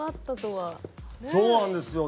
そうなんですよ。